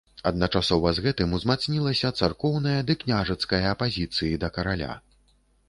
Адначасова з гэтым узмацнілася царкоўная ды княжацкая апазіцыі да караля.